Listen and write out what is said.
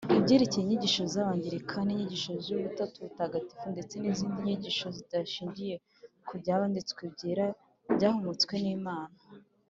ibyerekeye inyigisho z Abangilikani inyigisho y Ubutatu butagatifu ndetse n’izindi nyigisho zidashingiye ku Byanditswe byera byahumtswe n’Imana.